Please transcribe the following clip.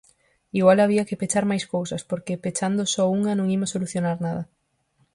Igual había que pechar máis cousas, porque pechando só unha non imos solucionar nada.